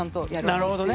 なるほどね。